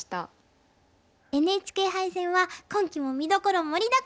ＮＨＫ杯戦は今期も見どころ盛りだくさん！